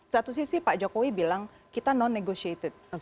satu sisi pak jokowi bilang kita non negotiated